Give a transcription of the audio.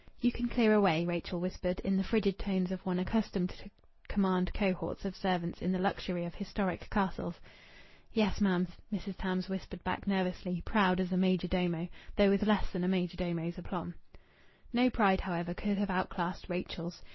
"You can clear away," Rachel whispered, in the frigid tones of one accustomed to command cohorts of servants in the luxury of historic castles. "Yes, ma'am," Mrs. Tams whispered back nervously, proud as a major domo, though with less than a major domo's aplomb. No pride, however, could have outclassed Rachel's.